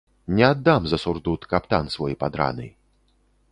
Не аддам за сурдут каптан свой падраны.